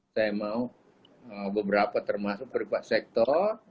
saya mau beberapa termasuk beberapa sektor